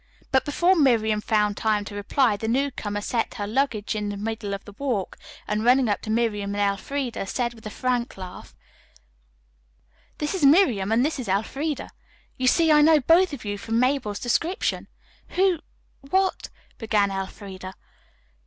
But before Miriam found time to reply the newcomer set her luggage in the middle of the walk, and running up to Miriam and Elfreda, said with a frank laugh: "This is Miriam and this is Elfreda. You see I know both of you from Mabel's description." "Who what " began Elfreda.